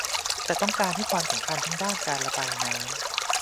แต่ต้องให้ความสำคัญทั้งด้านการระบายน้ำ